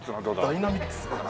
ダイナミックス？